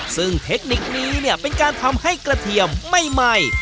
ซึ่งเทคนิคนี้เนี่ยเป็นการทำให้กระเทียมใหม่